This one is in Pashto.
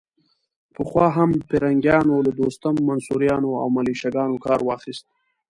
پخوا هم پرنګیانو له دوستم، منصوریانو او ملیشه ګانو کار واخيست.